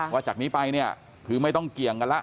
ว่าจากนี้ไปคือไม่ต้องเกี่ยงกันล่ะ